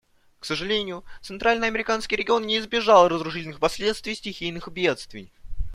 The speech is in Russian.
К сожалению, центральноамериканский регион не избежал разрушительных последствий стихийных бедствий.